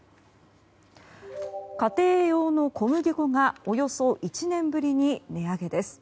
家庭用の小麦粉がおよそ１年ぶりに値上げです。